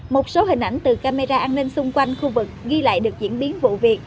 một số hình ảnh từ camera an ninh xung quanh khu vực ghi lại được diễn biến vụ việc